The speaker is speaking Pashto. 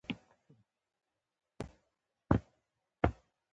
یوه وړه نجلۍ یې په لغته ووهله او ځای پر ځای یې مړه کړه.